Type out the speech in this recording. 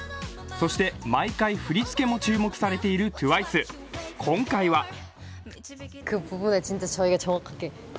そして毎回振り付けも注目されているＴＷＩＣＥ、今回は？